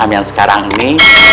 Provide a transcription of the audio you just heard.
yang sekarang ini